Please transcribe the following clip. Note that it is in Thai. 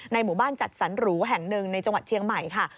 หมู่บ้านจัดสรรหรูแห่งหนึ่งในจังหวัดเชียงใหม่ค่ะ